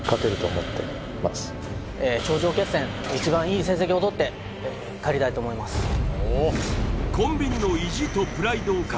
一番良い成績を取って帰りたいと思います